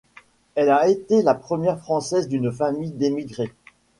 Elle a été la première Française d'une famille d'émigrés.